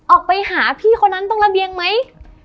ออกไปหาพี่คนนั้นตรงระเบียงไหม